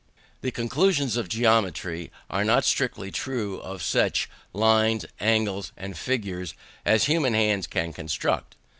The conclusions of geometry are not strictly true of such lines, angles, and figures, as human hands can construct.